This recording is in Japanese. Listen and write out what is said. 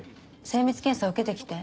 精密検査受けて来て。